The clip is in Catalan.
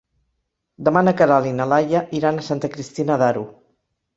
Demà na Queralt i na Laia iran a Santa Cristina d'Aro.